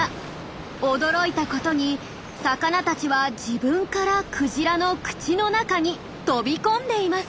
驚いたことに魚たちは自分からクジラの口の中に飛び込んでいます。